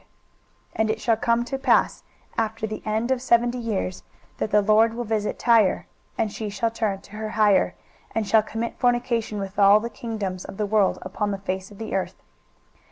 23:023:017 And it shall come to pass after the end of seventy years, that the LORD will visit Tyre, and she shall turn to her hire, and shall commit fornication with all the kingdoms of the world upon the face of the earth.